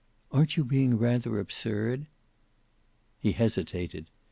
"Aren't you being rather absurd?" He hesitated.